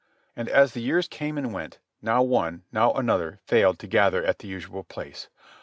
And as the years came and went, now one, now another failed to gather at the usual place.